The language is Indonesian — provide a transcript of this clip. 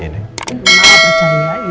gimana percaya ilmu